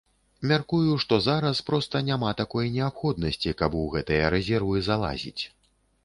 Мяркую, што зараз проста няма такой неабходнасці, каб у гэтыя рэзервы залазіць.